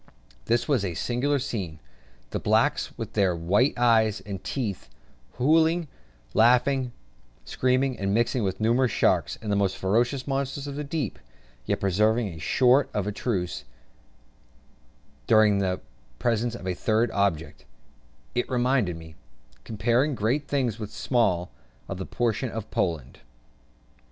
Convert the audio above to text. This was a singular scene; the blacks with their white eyes and teeth, hallooing, laughing, screaming, and mixing with numerous sharks the most ferocious monsters of the deep yet preserving a sort of truce during the presence of a third object: it reminded me, comparing great things with small, of the partition of Poland.